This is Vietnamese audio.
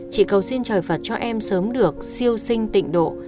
chỉ cầu xin trời phạt cho em sớm được siêu sinh tịnh độ